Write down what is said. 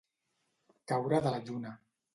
Caure de la lluna.